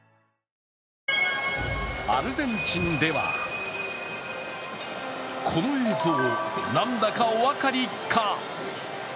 アルゼンチンではこの映像、何だかお分かりか？